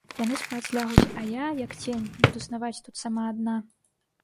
Яны спаць лягуць, а я, як цень, буду снаваць тут сама адна.